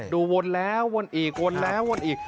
วนแล้ววนอีกวนแล้ววนอีก